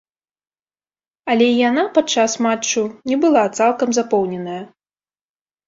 Але і яна падчас матчу не была цалкам запоўненая.